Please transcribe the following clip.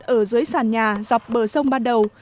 ở dưới sàn nhà dọc bờ sông ban đầu